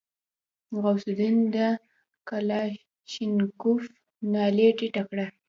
غوث الدين د کلاشينکوف نلۍ ټيټه کړه.